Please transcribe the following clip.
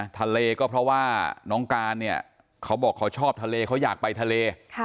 ทะเลก็เพราะว่าน้องการเนี่ยเขาบอกเขาชอบทะเลเขาอยากไปทะเล